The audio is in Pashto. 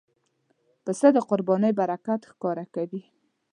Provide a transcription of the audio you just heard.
پسه د قربانۍ برکت ښکاره کوي.